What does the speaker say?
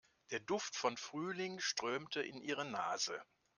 Der Duft von Frühling strömte in ihre Nase.